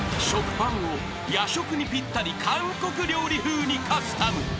［食パンを夜食にぴったり韓国料理風にカスタム］